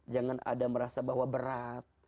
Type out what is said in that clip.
jangan ada merasa bahwa berat